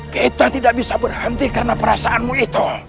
kita tidak bisa berhenti karena perasaanmu itu